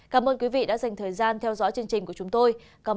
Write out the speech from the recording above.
cảm ơn quý vị đã dành thời gian theo dõi chương trình của chúng tôi